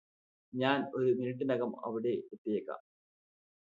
ഞാന് ഒരു മിനിട്ടിനകം അവിടെ എത്തിയേക്കാം